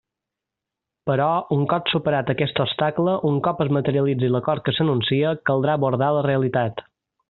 Però un cop superat aquest obstacle, un cop es materialitzi l'acord que s'anuncia, caldrà abordar la realitat.